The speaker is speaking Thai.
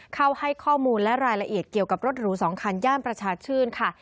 เข้าให้ข้อมูลและรายละเอียดเกี่ยวกับรถหรู๒คันย่านประชาชื่นค่ะ